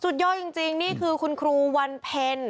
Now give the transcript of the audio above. ยอดจริงนี่คือคุณครูวันเพ็ญ